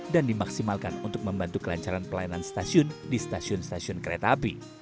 dan dimaksimalkan untuk membantu kelancaran pelayanan stasiun di stasiun stasiun kereta api